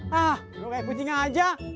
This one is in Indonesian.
hah lo kayak kucing aja